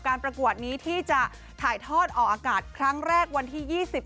ประกวดนี้ที่จะถ่ายทอดออกอากาศครั้งแรกวันที่๒๐